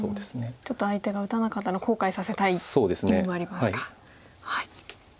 ちょっと相手が打たなかったのを後悔させたい意味もありますか。